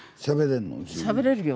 しゃべれるよ。